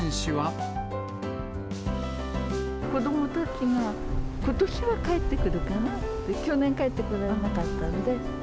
子どもたちが、ことしは帰ってくるかなって、去年、帰ってこられなかったんで。